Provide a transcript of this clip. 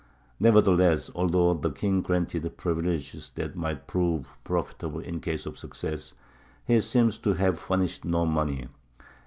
Nevertheless, although the king granted privileges that might prove profitable in case of success, he seems to have furnished no money.